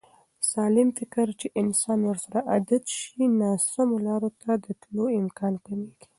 . سالم فکر چې انسان ورسره عادت شي، ناسمو لارو ته د تلو امکان کمېږي.